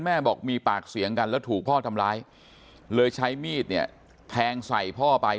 บอกมีปากเสียงกันแล้วถูกพ่อทำร้ายเลยใช้มีดเนี่ยแทงใส่พ่อไป